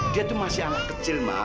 dia tuh masih anak kecil ma